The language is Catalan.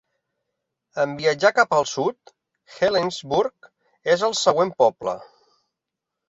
En viatjar cap al sud, Helensburgh és el següent poble.